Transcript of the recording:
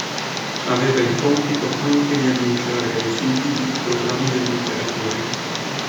Aveva il compito anche di annunciare ai sudditi i proclami dell'imperatore.